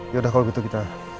yaudah kalau begitu kita